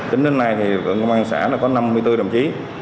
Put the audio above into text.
tính đến nay thì công an xã có năm mươi bốn đồng chí